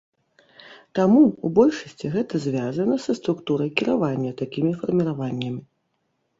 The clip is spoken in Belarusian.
Таму, у большасці гэта звязана са структурай кіравання такімі фарміраваннямі.